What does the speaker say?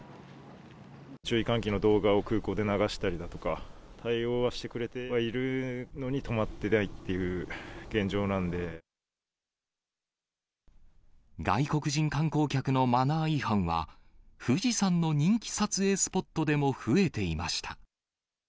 注意喚起の動画を空港で流したりだとか、対応はしてくれてはいるのに、外国人観光客のマナー違反は、富士山の人気撮影スポットでも増えていました。